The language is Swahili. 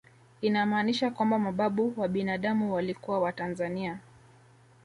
Inamaanisha kwamba mababu wa binadamu walikuwa watanzania